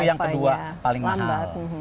yang kedua paling mahal